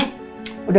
pak gimana maksudnya